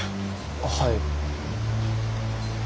はい。